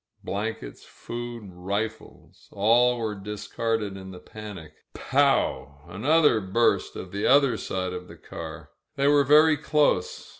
Blankets, food, rifles — ^all were discarded in the panic. Pow! Another burst on the other side of the car. They were very close.